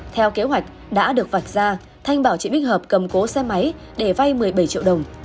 theo kế hoạch đã được vạch ra thanh bảo chị bích hợp cầm cố xe máy để vay một mươi bảy triệu đồng